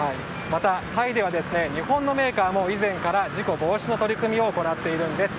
また、タイでは日本のメーカーも以前から事故防止の取り組みを行っているんです。